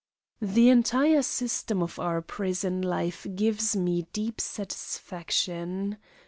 The entire system of our prison life gives me deep satisfaction.